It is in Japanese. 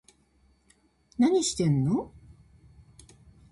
何してんの